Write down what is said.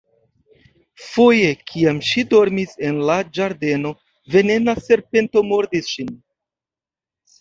Foje, kiam ŝi dormis en la ĝardeno, venena serpento mordis ŝin.